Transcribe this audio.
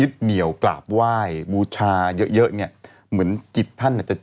ยึดเหนียวกราบไหว้บูชาเยอะเหมือนจิตท่านอาจจะ